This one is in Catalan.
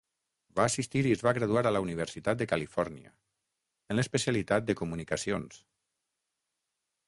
Va assistir i es va graduar a la Universitat de Califòrnia, en l'especialitat de comunicacions.